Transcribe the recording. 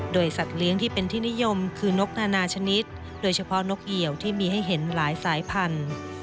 โดยสัตว์เลี้ยงที่เป็นที่นิยมคือนกนานาชนิดโดยเฉพาะนกเหี่ยวที่มีให้เห็นหลายสายพันธุ์